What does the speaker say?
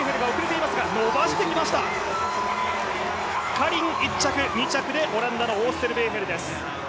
カリン、１着２着でオーステルベーヘルです。